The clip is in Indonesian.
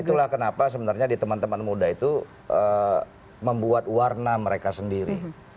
itulah kenapa sebenarnya di teman teman muda itu membuat warna mereka sendiri